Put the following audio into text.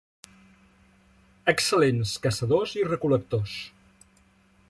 Excel·lents caçadors i recol·lectors.